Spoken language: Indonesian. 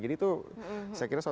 jadi itu saya kira